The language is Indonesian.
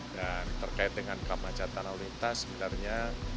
dan terkait dengan kemacetan lalu lintas sebenarnya